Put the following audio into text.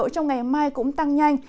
trong ngày mai cũng tăng nhanh